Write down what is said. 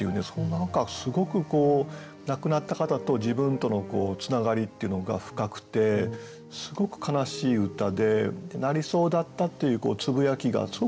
何かすごく亡くなった方と自分とのつながりっていうのが深くてすごく悲しい歌で「なりそうだった」っていうつぶやきがすごく何かね